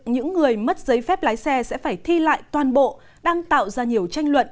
những người mất giấy phép lái xe sẽ phải thi lại toàn bộ đang tạo ra nhiều tranh luận